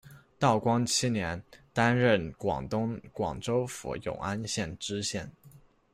道光七年，担任广东广州府永安县知县。